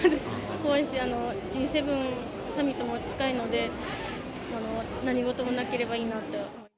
怖いし、Ｇ７サミットも近いので、何事もなければいいなって。